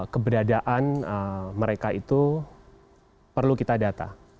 keberadaan mereka itu perlu kita data